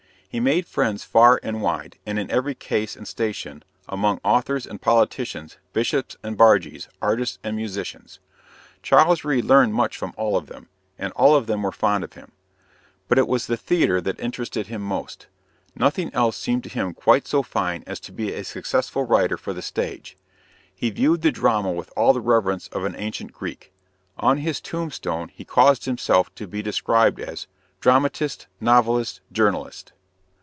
He made friends far and wide, and in every class and station among authors and politicians, bishops and bargees, artists and musicians. Charles Reade learned much from all of them, and all of them were fond of him. But it was the theater that interested him most. Nothing else seemed to him quite so fine as to be a successful writer for the stage. He viewed the drama with all the reverence of an ancient Greek. On his tombstone he caused himself to be described as "Dramatist, novelist, journalist."